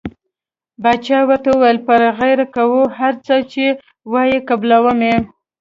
باچا ورته وویل پر غیر کوو هر څه چې وایې قبلووم.